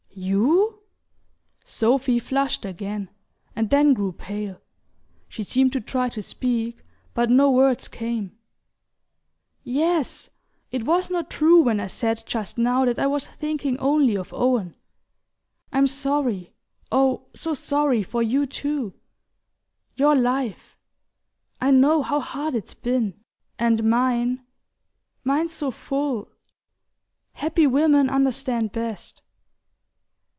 "You?" Sophy flushed again, and then grew pale. She seemed to try to speak, but no words came. "Yes! It was not true when I said just now that I was thinking only of Owen. I'm sorry oh, so sorry! for you too. Your life I know how hard it's been; and mine ... mine's so full...Happy women understand best!"